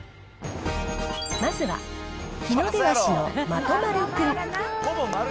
まずはヒノデワシのまとまるくん。